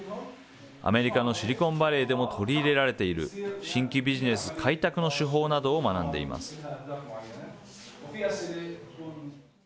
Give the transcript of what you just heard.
アメリカのシリコンバレーでも取り入れられている、新規ビジネス開拓の手法などを学んでいます。